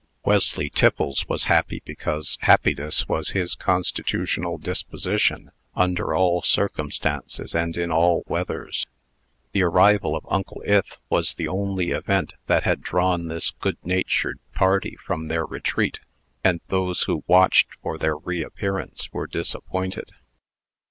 Wesley Tiffles was happy because happiness was his constitutional disposition, under all circumstances and in all weathers. The arrival of Uncle Ith was the only event that had drawn this good natured party from their retreat; and those who watched for their reappearance were disappointed.